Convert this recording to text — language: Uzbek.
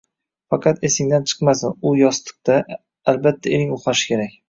Faqat esingdan chiqmasin, u yostiqda, albatta, ering uxlashi kerak